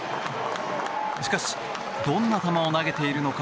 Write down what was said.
しかしどんな球を投げているのか